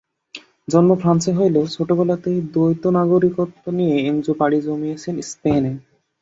জন্ম ফ্রান্সে হলেও ছোট্টবেলাতেই দ্বৈত নাগরিকত্ব নিয়ে এনজো পাড়ি জমিয়েছে স্পেনে।